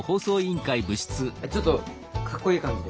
ちょっとかっこいい感じで。